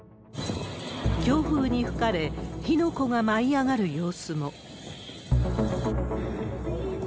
強風に吹かれ、火の粉が舞い上がる様子も。